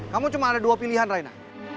kamu cuma ada dua pilihan raina